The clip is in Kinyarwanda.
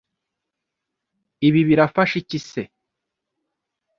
Ibi birafasha iki se